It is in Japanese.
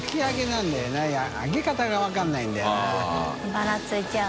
ばらついちゃう。